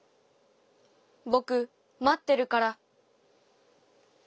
ぼく、まってるから』」。